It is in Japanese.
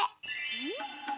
うん？